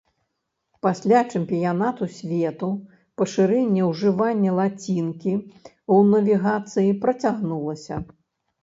Пасля чэмпіянату свету пашырэнне ўжывання лацінкі ў навігацыі працягнулася.